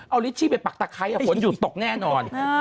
เอาลิชชี่ไปปักตะไคร้ฝนหยุดตกแน่นอน